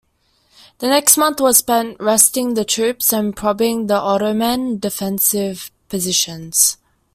The next month was spent resting the troops and probing the Ottoman defensive positions.